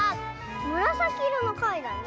むらさきいろのかいだね。